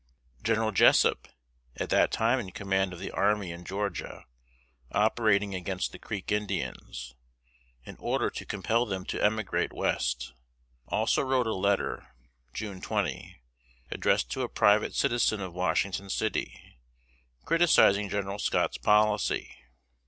General Jessup, at that time in command of the army in Georgia, operating against the Creek Indians, in order to compel them to emigrate West, also wrote a letter (June 20), addressed to a private citizen of Washington City, criticising General Scott's policy.